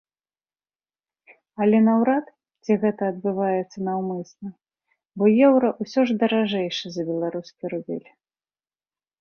Але наўрад ці гэта адбываецца наўмысна, бо еўра ўсё ж даражэйшы за беларускі рубель.